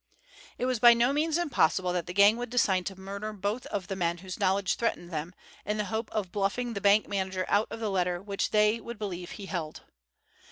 It was by no means impossible that the gang would decide to murder both of the men whose knowledge threatened them, in the hope of bluffing the bank manager out of the letter which they would believe he held.